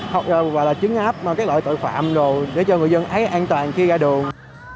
hoặc là chứng áp các loại tội phạm rồi để cho người dân ấy an toàn khi ra đường